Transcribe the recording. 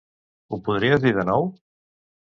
Ho podries dir de nou?